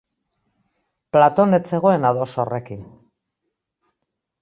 Platon ez zegoen ados horrekin.